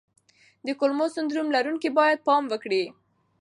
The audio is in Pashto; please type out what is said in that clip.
د کولمو سنډروم لرونکي باید پام وکړي.